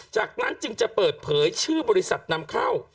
จากนั้นจึงจะเปิดเผยชื่อบริษัทนำเข้า